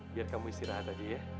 biar kamu istirahat aja ya